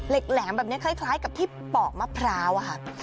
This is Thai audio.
เหล็กแหลมแบบนี้คล้ายกับที่เปาะมะพร้าว